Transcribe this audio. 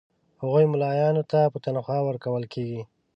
هغو مُلایانو ته به تنخوا ورکوله کیږي.